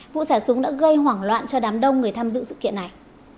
vụ xả súng đã gây hoảng loạn cho đám đông người tham dự sự kiện này